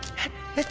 えっ？